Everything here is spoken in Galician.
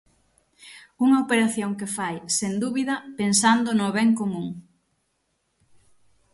Unha operación que fai, sen dúbida, pensando no ben común.